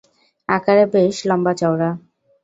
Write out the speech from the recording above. আকারে বেশ লম্বা-চওড়া।